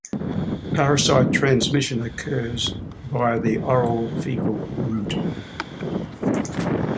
Parasite transmission occurs via the oral-fecal route.